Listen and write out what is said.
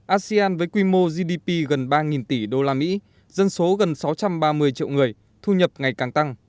asean với quy mô gdp gần ba tỷ usd dân số gần sáu trăm ba mươi triệu người thu nhập ngày càng tăng